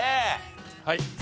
はい。